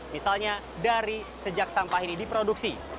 misalnya dari sejak sampah ini diproduksi